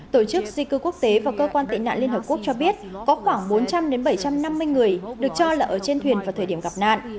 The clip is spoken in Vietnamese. tổ chức di cư quốc tế và cơ quan tị nạn liên hợp quốc cho biết có khoảng bốn trăm linh bảy trăm năm mươi người được cho là ở trên thuyền vào thời điểm gặp nạn